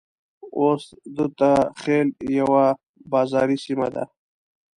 اوس دته خېل يوه بازاري سيمه ده.